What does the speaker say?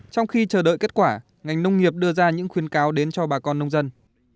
trong khi chờ đợi kết quả ngành nông nghiệp đưa ra những khuyến cáo đến cho bà con nông dân